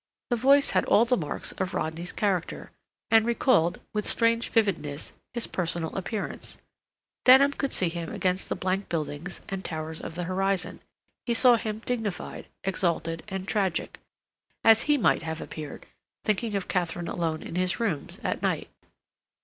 The voice had all the marks of Rodney's character, and recalled, with; strange vividness, his personal appearance. Denham could see him against the blank buildings and towers of the horizon. He saw him dignified, exalted, and tragic, as he might have appeared thinking of Katharine alone in his rooms at night.